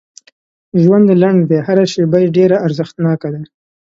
ژوند لنډ دی هر شیبه یې ډېره ارزښتناکه ده